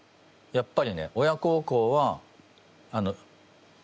やっぱりね親孝行は。